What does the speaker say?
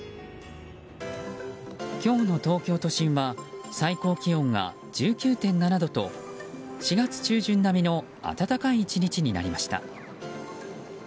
今日の東京都心は最高気温が１９．７度と４月中旬並みの暖かい１日になりました。